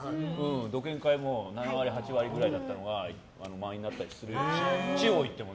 独演会も７割、８割くらいだったのが満員になったりしてるので地方に行っても。